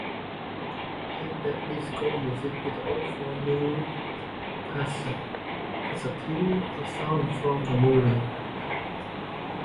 At The Disco's music video for "new perspective," a song from the movie.